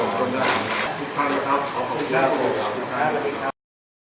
ยินดีต้อนรับทุกคน